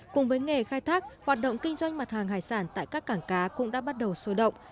cùng với nghề khai thác hoạt động kinh doanh mặt hàng hải sản tại các cảng cá cũng đã bắt đầu sôi động